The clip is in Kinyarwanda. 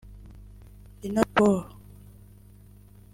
Lina Pohl